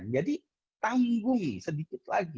jadi tanggung sedikit lagi